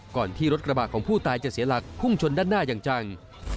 ที่รถกระบะของผู้ตายจะเสียหลักพุ่งชนด้านหน้าอย่างจัง